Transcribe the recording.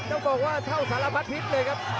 เจ้าฟอกว่าเช่าสารพัตรผิดเลยครับ